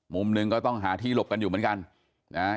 มุมหนึ่งก็ต้องหาที่หลบกันอยู่เหมือนกันนะฮะ